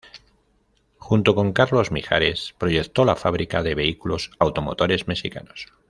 Junto con Carlos Mijares proyectó la fábrica de Vehículos Automotores Mexicanos.